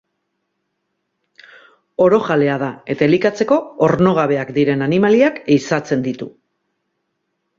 Orojalea da eta elikatzeko ornogabeak diren animaliak ehizatzen ditu.